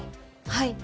はい。